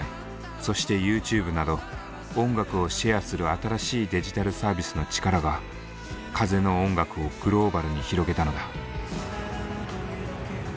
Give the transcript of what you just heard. そしてＹｏｕＴｕｂｅなど音楽をシェアする新しいデジタルサービスの力が風の音楽をグローバルに広げたのだ。